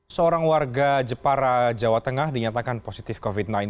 seorang warga jepara jawa tengah dinyatakan positif covid sembilan belas